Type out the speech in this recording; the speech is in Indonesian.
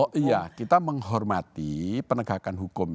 oh iya kita menghormati penegakan hukum